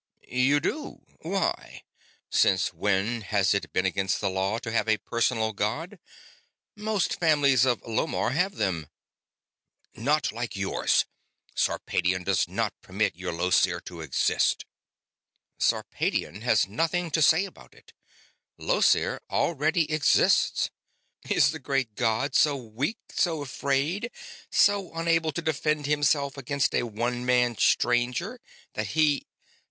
"You do? Why? Since when has it been against the law to have a personal god? Most families of Lomarr have them." "Not like yours. Sarpedion does not permit your Llosir to exist." "Sarpedion has nothing to say about it. Llosir already exists. Is the great god so weak, so afraid, so unable to defend himself against a one man stranger that he...."